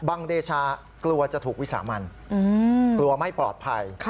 เดชากลัวจะถูกวิสามันกลัวไม่ปลอดภัย